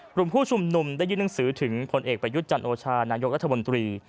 กลุ่มผู้ชุมนุมได้ยื่นหนังสือถึงผลเอกประยุทธ์จันโอชานายกรัฐมนตรี